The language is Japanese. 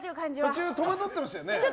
途中、戸惑ってましたよね。